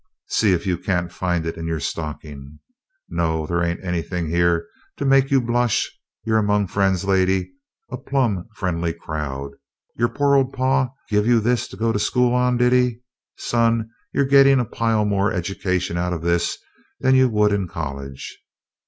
See if you can't find it in your stocking. No, they ain't anything here to make you blush. You're among friends, lady; a plumb friendly crowd. Your poor old pa give you this to go to school on, did he? Son, you're gettin' a pile more education out of this than you would in college.